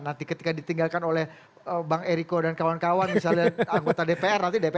nanti ketika ditinggalkan oleh bang ericko dan kawan kawan misalnya anggota dpr